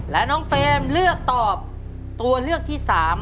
และน้องเฟรมเลือกตอบตัวเลือกที่๓